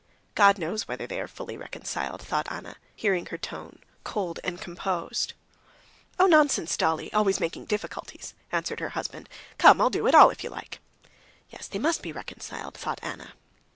"God knows whether they are fully reconciled," thought Anna, hearing her tone, cold and composed. "Oh, nonsense, Dolly, always making difficulties," answered her husband. "Come, I'll do it all, if you like...." "Yes, they must be reconciled," thought Anna.